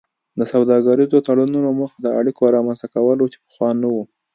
د سوداګریزو تړونونو موخه د اړیکو رامینځته کول وو چې پخوا نه وو